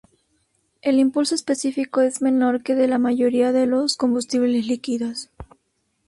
El impulso específico es menor que de la mayoría de los combustibles líquidos.